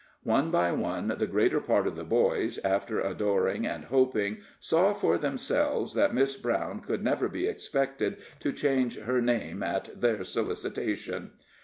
One by one the greater part of the boys, after adoring and hoping, saw for themselves that Miss Brown could never be expected to change her name at their solicitation.